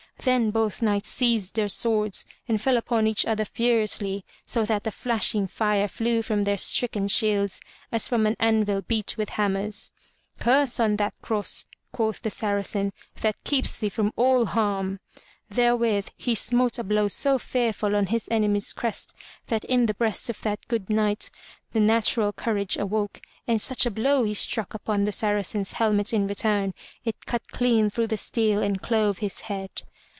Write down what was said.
Then both knights seized their swords and fell upon each other furiously so that the flashing fire flew from their stricken shields as from an anvil beat with hammers. "Curse on that cross,*' quoth then the Saracen, "that keeps thee from all harm!'* Therewith he smote a blow so fearful on his enemy's crest that in the breast of that good Knight the natural courage awoke, and such a blow he struck upon the Saracen's helmet in return, it cut clean through the steel and clove his head.